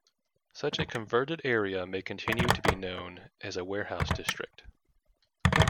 Such a converted area may continue to be known as a warehouse district.